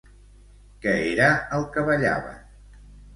Què era el que ballaven?